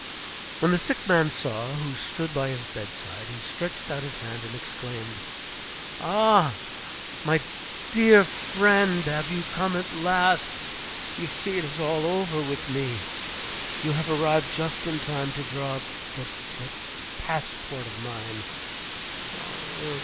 When the sick man saw who stood by his bedside, he stretched out his hand and exclaimed, "Ah! my dear friend! have you come at last? You see it is all over with me. You have arrived just in time to draw up that that passport of mine.